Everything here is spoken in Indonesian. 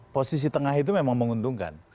posisi tengah itu memang menguntungkan